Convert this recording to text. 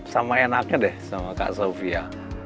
sama enaknya deh sama kak sofia